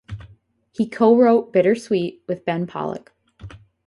He co-wrote "Bittersweet" with Ben Pollack.